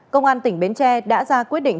công an tỉnh bến tre đã ra quyết định